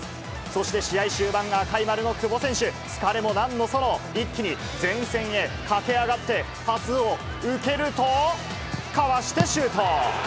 そして試合終盤、赤い丸の久保選手、疲れもなんのその、一気に前線へ、駆け上がって、パスを受けると、かわしてシュート。